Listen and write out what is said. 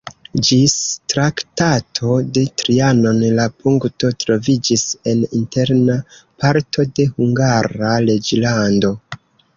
Ĝis Traktato de Trianon la punkto troviĝis en interna parto de Hungara reĝlando.